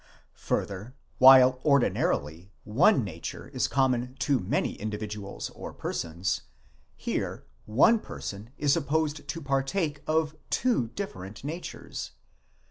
Further, while ordinarily one nature is common to many in dividuals or persons, here one person is supposed to partake of two different natures.